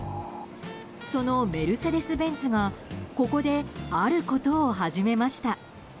そのメルセデス・ベンツがここで、あることを始めました。